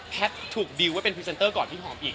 ถูกดิวว่าเป็นพรีเซนเตอร์ก่อนพี่หอมอีก